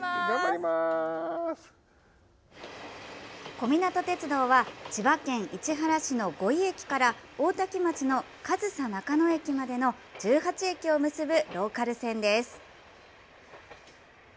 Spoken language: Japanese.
小湊鐵道は千葉県市原市の五井駅から大多喜町の上総中野駅までの１８駅を結ぶローカル線です。